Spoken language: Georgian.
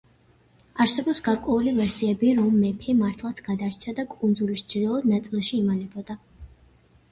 არსებობს გარკვეული ვერსიები, რომ მეფე მართლაც გადარჩა და კუნძულის ჩრდილოეთ ნაწილში იმალებოდა.